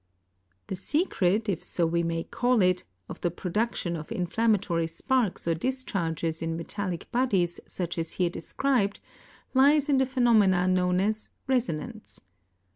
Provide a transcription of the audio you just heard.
The secret, if so we may call it, of the production of inflammatory sparks or dis charges in metallic bodies such as here de scribed, lies in the phenomena known as "resonance."